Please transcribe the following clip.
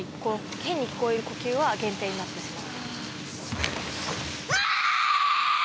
変に聞こえる呼吸は減点になってしまう。